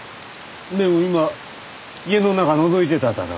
でも今家の中のぞいてただろ。